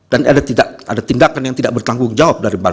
dan ada tindakan yang tidak bertanggung jawab